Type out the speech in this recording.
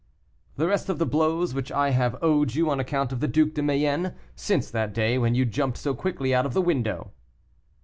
"The rest of the blows which I have owed you on account of the Duc de Mayenne, since that day when you jumped so quickly out of the window."